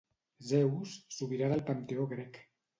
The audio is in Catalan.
Zeus, sobirà del panteó grec.